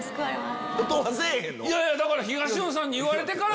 いやいや東野さんに言われてから。